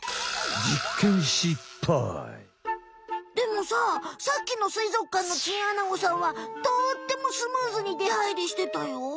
実験失敗！でもささっきのすいぞくかんのチンアナゴさんはとってもスムーズにではいりしてたよ。